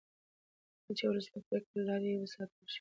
کله چې ولس له پرېکړو لرې وساتل شي بې باوري زیاتېږي